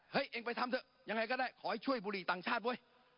เองไปทำเถอะยังไงก็ได้ขอให้ช่วยบุหรี่ต่างชาติเว้ย